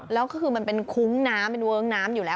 แล้วคือมันเป็นคุ้งน้ำเป็นเวิ้งน้ำอยู่แล้ว